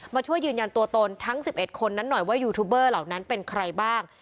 มาช่วยยืนยันตัวตนทั้ง๑๑คนนั้นหน่อยว่ายูทูบเบอร์เหล่านั้นเป็นใครบ้าง